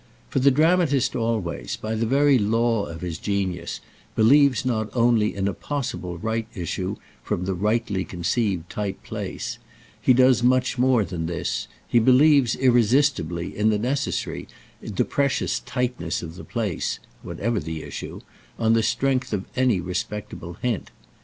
For the dramatist always, by the very law of his genius, believes not only in a possible right issue from the rightly conceived tight place; he does much more than this—he believes, irresistibly, in the necessary, the precious "tightness" of the place (whatever the issue) on the strength of any respectable hint.